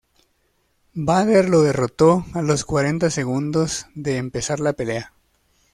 Bader lo derrotó a los cuarenta segundos de empezar la pelea.